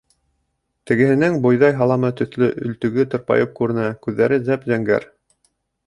Тегеһенең бойҙай һаламы төҫлө өлтөгө тырпайып күренә, күҙҙәре зәп-зәңгәр.